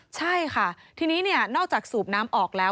ใช่ค่ะทีนี้นอกจากสูบน้ำออกแล้ว